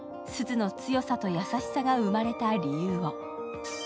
鈴の強さと優しさが生まれた理由を。